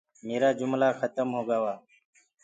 ميرآ جُملآ کتم هو گوآ۔